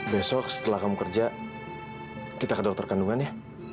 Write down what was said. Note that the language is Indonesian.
besok setelah kamu kerja kita ke dokter kandungan ya